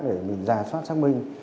để mình rà soát xác minh